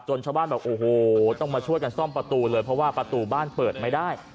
ชาวบ้านบอกโอ้โหต้องมาช่วยกันซ่อมประตูเลยเพราะว่าประตูบ้านเปิดไม่ได้